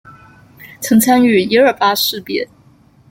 曾参与一二八事变。